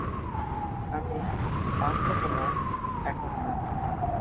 আমি আসবোতো না, এখন না।